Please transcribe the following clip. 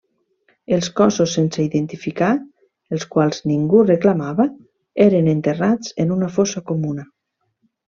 Els cossos sense identificar, els quals ningú reclamava, eren enterrats en una fossa comuna.